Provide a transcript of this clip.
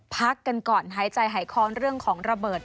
พักกันก่อนหายใจหายคอนเรื่องของระเบิด